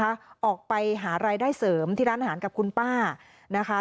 ออกไปหารายได้เสริมที่ร้านอาหารกับคุณป้านะคะ